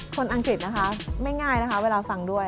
อังกฤษนะคะไม่ง่ายนะคะเวลาฟังด้วย